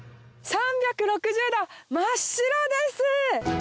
３６０度真っ白です！